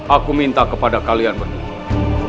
aku minta kepada kalian berdua